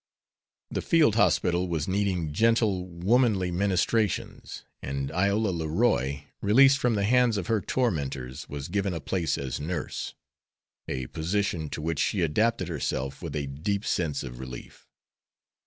The field hospital was needing gentle, womanly ministrations, and Iola Leroy, released from the hands of her tormentors, was given a place as nurse; a position to which she adapted herself with a deep sense of relief.